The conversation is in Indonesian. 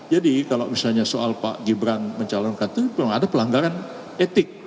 jadi kalau misalnya soal pak gibran mencalonkan itu memang ada pelanggaran etik